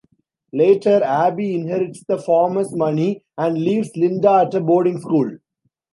Later, Abby inherits the farmer's money and leaves Linda at a boarding school.